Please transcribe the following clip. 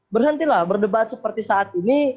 berhentilah berdebat seperti saat ini